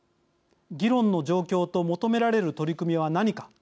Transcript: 議論の状況と求められる取り組みは何か。